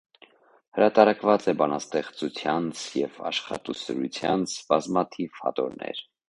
Հրատարակած է բանաստեզծութեանց եւ աշխատասիրութեանց բազմաթիւ հատորներ։